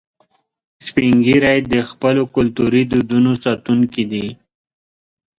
سپین ږیری د خپلو کلتوري دودونو ساتونکي دي